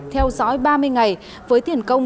theo dõi ba mươi ngày với tiền công